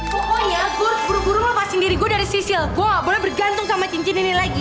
pokoknya gurur gurur melepasi diri gue dari sisil gue gak boleh bergantung sama cincin ini lagi